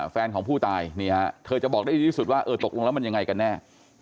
แฟนของผู้ตายนี่ฮะเธอจะบอกได้ดีที่สุดว่าเออตกลงแล้วมันยังไงกันแน่